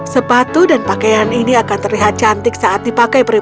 sepatu dan pakaian ini akan terlihat cantik saat dipakai peri peri itu